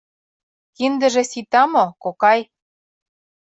Киндыже сита мо, кокай?